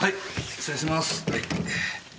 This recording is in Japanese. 失礼します。